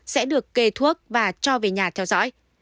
sẽ được kê thuốc và cho về nhà theo dõi